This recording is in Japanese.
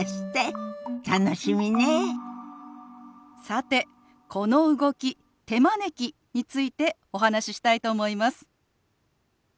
さてこの動き「手招き」についてお話ししたいと思います。